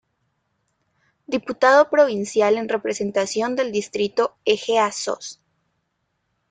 Diputado Provincial en representación del distrito Ejea-Sos.